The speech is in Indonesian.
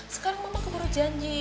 sekarang mama keburu janji